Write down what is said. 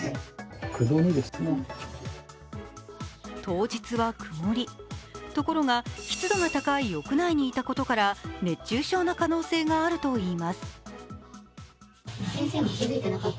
当日は曇り、ところが湿度が高い屋内にいたことから熱中症の可能性があるといいます。